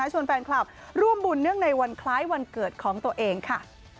ชวนแฟนคลับร่วมบุญเนื่องในวันคล้ายวันเกิดของตัวเองค่ะ